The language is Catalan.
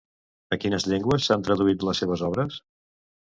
A quines llengües s'han traduït les seves obres?